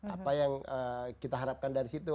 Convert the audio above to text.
apa yang kita harapkan dari situ